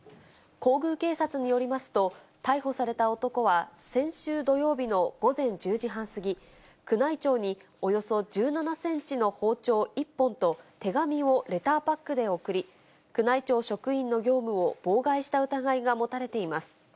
皇宮警察によりますと、逮捕された男は、先週土曜日の午前１０時半過ぎ、宮内庁におよそ１７センチの包丁１本と、手紙をレターパックで送り、宮内庁職員の業務を妨害した疑いが持たれています。